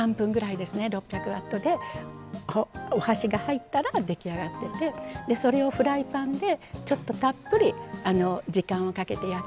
６００Ｗでお箸が入ったら出来上がっててそれをフライパンでちょっとたっぷり時間をかけて焼きます。